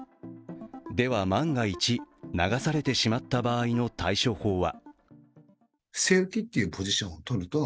では万が一流されてしまった場合の対処法は？